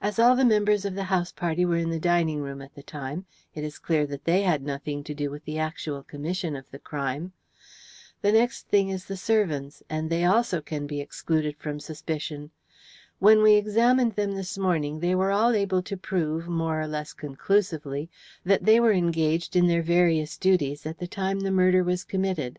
"As all the members of the house party were in the dining room at the time, it is clear that they had nothing to do with the actual commission of the crime. The next thing is the servants, and they also can be excluded from suspicion. When we examined them this morning they were all able to prove, more or less conclusively, that they were engaged in their various duties at the time the murder was committed.